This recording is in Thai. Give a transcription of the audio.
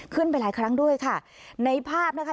ขึ้นไปหลายครั้งด้วยค่ะในภาพนะคะ